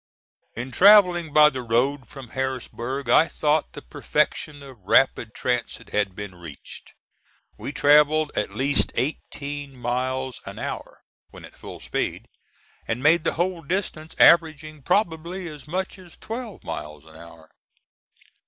In travelling by the road from Harrisburg, I thought the perfection of rapid transit had been reached. We travelled at least eighteen miles an hour, when at full speed, and made the whole distance averaging probably as much as twelve miles an hour.